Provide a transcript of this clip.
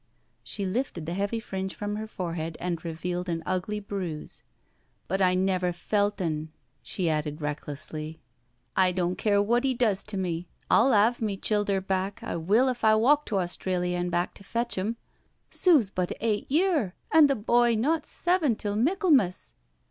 She lifted the heavy fringe from her forehead and revealed an ugly bruise. '* But I never felt un/' she added recklessly. " I doan care what *e does to me, ru 'ave my childher back ^I will, if I walk to Australy an' back to fetch 'em. Sue's but eight year and the boy not seven till Mickelmas."